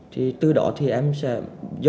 thì từ đó thì em sẽ giao mật khẩu ở trên đó